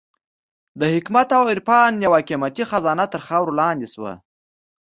د حکمت او عرفان یوه قېمتي خزانه تر خاورو لاندې شوه.